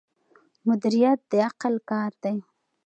مدیریت د عقل کار دی.